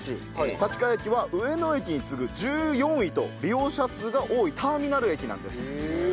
立川駅は上野駅に次ぐ１４位と利用者数が多いターミナル駅なんです。